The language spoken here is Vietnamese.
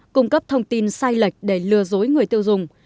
cung cấp thông tin sai lệch để lừa dối người tiêu dùng